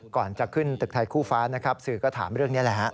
ก่อนจะขึ้นตึกไทยคู่ฟ้านะครับสื่อก็ถามเรื่องนี้แหละฮะ